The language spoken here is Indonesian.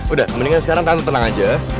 udah mendingan sekarang tahan tenang aja